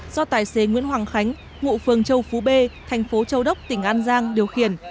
do tài xế nguyễn hoàng khánh ngụ phường châu phú b tp châu đốc tỉnh an giang điều khiển